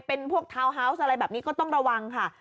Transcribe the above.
เป็นพวกทาวน์ฮาวส์อะไรแบบนี้ก็ต้องระวังค่ะ